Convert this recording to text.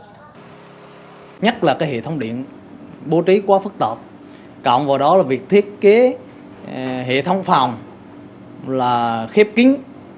đặc biệt là hệ thống điện bố trí quá phức tợp cộng vào đó là việc thiết kế hệ thống phòng là khép kính